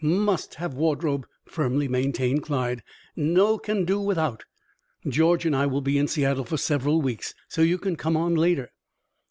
"Must have wardrobe," firmly maintained Clyde. "No can do without." "George and I will be in Seattle for several weeks, so you can come on later."